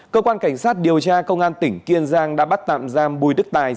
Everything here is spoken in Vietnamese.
cơ quan cảnh sát điều tra công an tỉnh kiên giang đã bắt tạm giam bùi đức tài